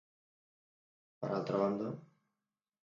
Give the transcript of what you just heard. Per altra banda.